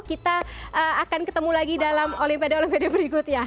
kita akan ketemu lagi dalam olimpiade olimpiade berikutnya